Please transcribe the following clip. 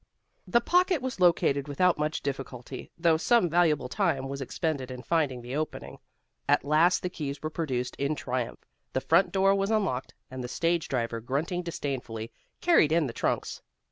The pocket was located without much difficulty, though some valuable time was expended in finding the opening. At last the keys were produced in triumph, the front door was unlocked, and the stage driver grunting disdainfully, carried in the trunks.